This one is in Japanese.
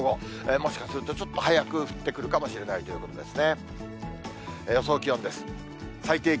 もしかすると、ちょっと早く降ってくるかもしれないということですね。